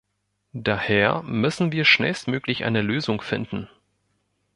Daher müssen wir schnellstmöglich eine Lösung finden.